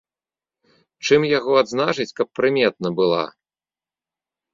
Чым яго адзначыць, каб прыметна была?